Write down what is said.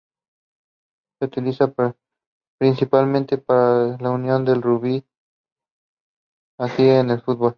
Se utiliza principalmente para la unión de rugby, así como el fútbol.